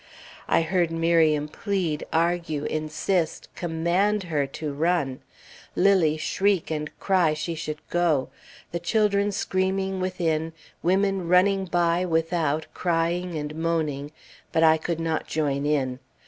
I heard Miriam plead, argue, insist, command her to run; Lilly shriek, and cry she should go; the children screaming within; women running by without, crying and moaning; but I could not join in.